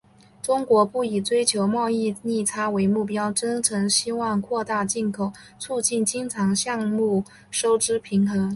中国不以追求贸易逆差为目标，真诚希望扩大进口，促进经常项目收支平衡。